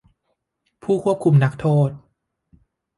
ผู้ควบคุมนักโทษ